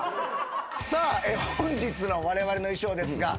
さあ本日のわれわれの衣装ですが。